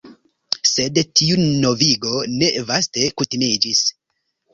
Sed tiu novigo ne vaste kutimiĝis.